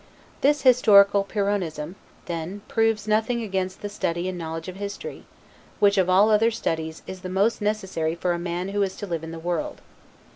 This historical Pyrrhonism, then, proves nothing against the study and knowledge of history; which, of all other studies, is the most necessary for a man who is to live in the world.